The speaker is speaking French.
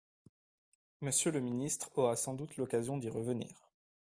Monsieur le ministre aura sans doute l’occasion d’y revenir.